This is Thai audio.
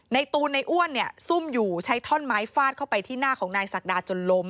ตูนในอ้วนเนี่ยซุ่มอยู่ใช้ท่อนไม้ฟาดเข้าไปที่หน้าของนายศักดาจนล้ม